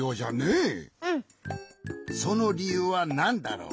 そのりゆうはなんだろう？